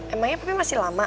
emangnya papi masih lama